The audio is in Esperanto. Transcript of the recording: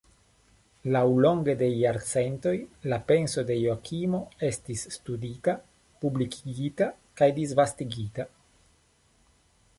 Laŭlonge de jarcentoj la penso de Joakimo estis studita, publikigita kaj disvastigita.